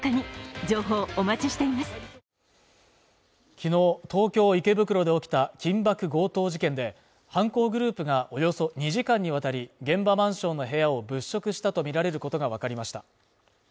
昨日、東京池袋で起きた緊縛強盗事件で、犯行グループがおよそ２時間にわたり現場マンションの部屋を物色したとみられることがわかりました。